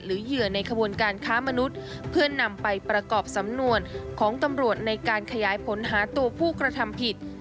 เหยื่อในขบวนการค้ามนุษย์เพื่อนำไปประกอบสำนวนของตำรวจในการขยายผลหาตัวผู้กระทำผิด